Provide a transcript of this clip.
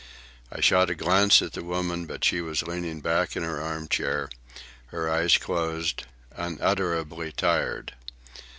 I shot a glance at the woman, but she was leaning back in the arm chair, her eyes closed, unutterably tired.